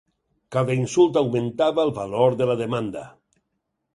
Cada insult augmentava el valor de la demanda.